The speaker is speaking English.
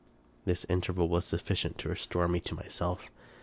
This interval was sufficient to restore me to myself.